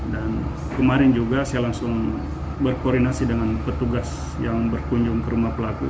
dan kemarin juga saya langsung berkoordinasi dengan petugas yang berkunjung ke rumah pelaku